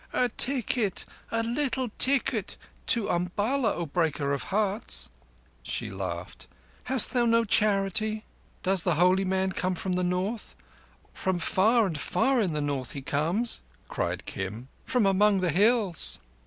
"A ticket—a little tikkut to Umballa—O Breaker of Hearts!" She laughed. "Hast thou no charity?" "Does the holy man come from the North?" "From far and far in the North he comes," cried Kim. "From among the hills."